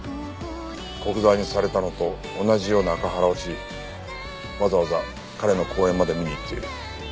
古久沢にされたのと同じようなアカハラをしわざわざ彼の講演まで見に行っている。